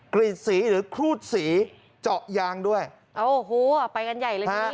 กรีดสีหรือครูดสีเจาะยางด้วยโอ้โหไปกันใหญ่เลยทีนี้